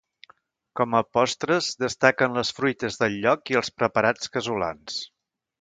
Com a postres, destaquen les fruites del lloc i els preparats casolans.